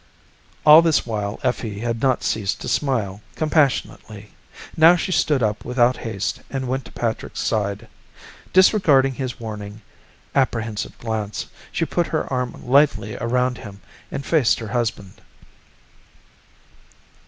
All this while Effie had not ceased to smile compassionately. Now she stood up without haste and went to Patrick's side. Disregarding his warning, apprehensive glance, she put her arm lightly around him and faced her husband.